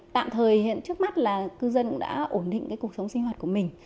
tạm thời hiện trước mắt là cư dân cũng đã ổn định cái cuộc sống sinh hoạt của mình